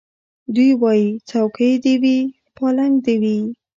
دی وايي څوکۍ دي وي پالنګ دي وي